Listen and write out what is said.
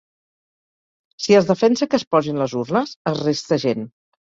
Si es defensa que es posin les urnes, es resta gent.